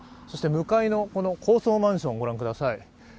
そして向かいの高層マンションを御覧ください